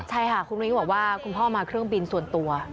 ใช่ค่ะคุณมายุบอกว่าคุณพ่อมาเครื่องบินส่วนตัว